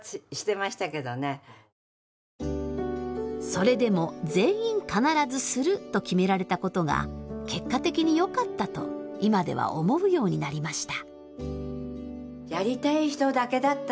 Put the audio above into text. それでも「全員必ずする」と決められたことが結果的によかったと今では思うようになりました。